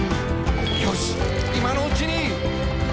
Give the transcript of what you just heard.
「よし、いまのうちに！」